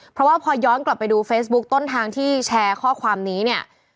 เพราะว่าพอย้อนกลับไปดูเฟซบุ๊คต้นทางที่แชร์ข้อความนี้เนี่ย